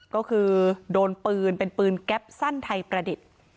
ก็คือโดนปืนเป็นปืนแก๊ปสั้นไทยประดิษฐ์